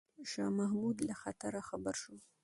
شاه محمود له خطره خبر شو.